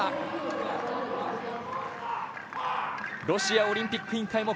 ロシアオリンピック委員会